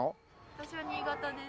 私は新潟です。